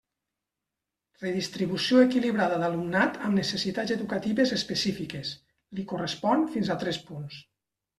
Redistribució equilibrada d'alumnat amb necessitats educatives específiques, li correspon fins a tres punts.